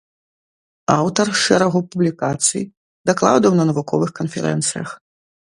Аўтар шэрагу публікацый, дакладаў на навуковых канферэнцыях.